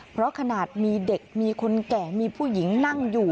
เพราะขนาดมีเด็กมีคนแก่มีผู้หญิงนั่งอยู่